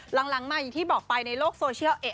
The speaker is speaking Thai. หลังมาอย่างที่บอกไปในโลกโซเชียล